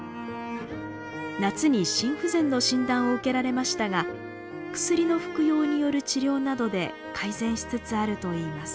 夏に心不全の診断を受けられましたが薬の服用による治療などで改善しつつあるといいます。